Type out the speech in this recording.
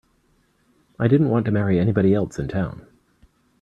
I didn't want to marry anybody else in town.